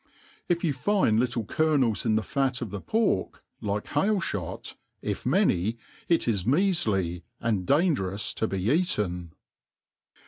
If you find little kernels in the fat nf the pork, like bail* (hot, if many, it is m(;afly» and dangierous to be eaten.